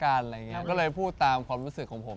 ใช่หรือเปล่าก็เลยพูดตามความรู้สึกของผม